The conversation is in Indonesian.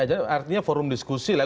artinya forum diskusi lah